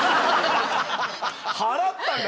払ったんだ？